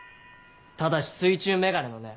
ただし水中メガネのね。